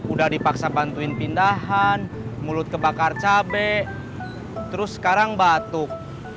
udah dipaksa bantuin pindahan mulut kebakar cabai terus sekarang batuk